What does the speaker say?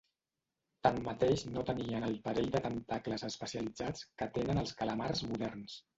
Tanmateix no tenien el parell de tentacles especialitzats que tenen els calamars moderns.